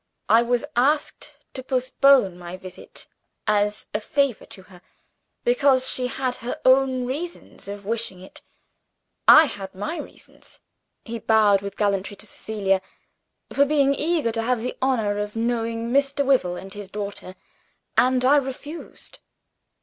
I was asked to postpone my visit, as a favor to herself, because she had her own reasons for wishing it. I had my reasons" (he bowed with gallantry to Cecilia) "for being eager to have the honor of knowing Mr. Wyvil and his daughter; and I refused."